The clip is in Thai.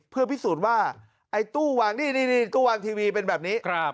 เพื่อพิสูจน์ว่าตู้วางทีวีเป็นแบบนี้ครับ